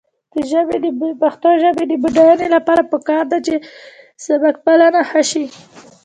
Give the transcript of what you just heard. د پښتو ژبې د بډاینې لپاره پکار ده چې سبکپالنه ښه شي.